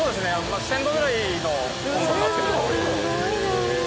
１０００度ぐらいの温度になっています。